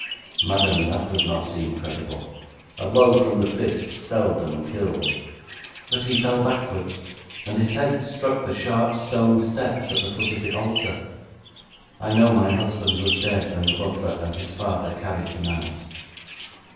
'Madam, that does not seem credible. A blow from the fist seldom kills.' 'But he fell backwards, and his head struck the sharp stone steps at the foot of the altar. I know my husband was dead when the butler and his father carried him out.'